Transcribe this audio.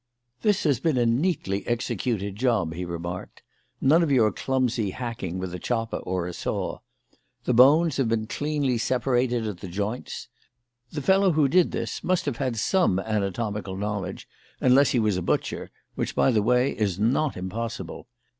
"This has been a neatly executed job," he remarked; "none of your clumsy hacking with a chopper or a saw. The bones have been cleanly separated at the joints. The fellow who did this must have had some anatomical knowledge, unless he was a butcher, which, by the way, is not impossible.